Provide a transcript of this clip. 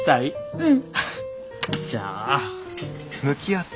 うん。